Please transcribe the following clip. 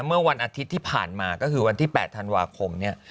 เมื่อวันอาทิตย์ที่ผ่านมาก็คือวันที่๘ธันวาคมเนี่ย